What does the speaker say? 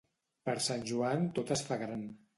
Per Sant Joan tot es fa gran.